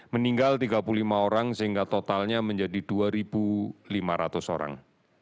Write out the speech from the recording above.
meninggal tiga puluh lima orang sehingga totalnya menjadi dua lima ratus orang